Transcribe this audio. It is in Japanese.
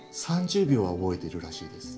３０秒は覚えているらしいです。